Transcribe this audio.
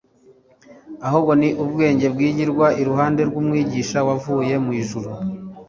ahubwo ni ubwenge bwigirwa iruhande rw'Umwigisha wavuye mu ijuru.